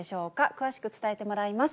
詳しく伝えてもらいます。